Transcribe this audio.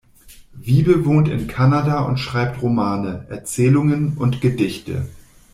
Wiebe wohnt in Kanada und schreibt Romane, Erzählungen und Gedichte.